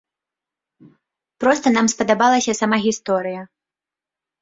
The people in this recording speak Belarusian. Проста нам спадабалася сама гісторыя.